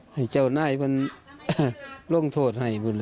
ให้ของเจ้าหน้าให้มันโล่งโทษให้ให้เพียวนะ